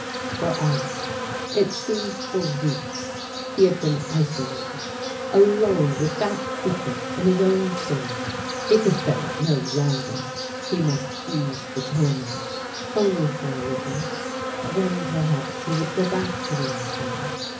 For hours it seemed for weeks he had been isolated, alone with that secret and his own soul. He could bear it no longer; he must ease the torment only for a little then perhaps he would go back to the Admiral.